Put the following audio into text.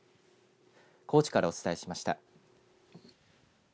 高知からお伝えしました。